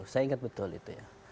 saya ingat betul itu ya